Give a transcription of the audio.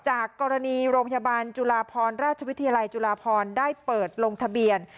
จากกรณีโรงพยาบาลจุฬาพรราชวิทยาลัยจุฬาพรได้เปิดลงทะเบียน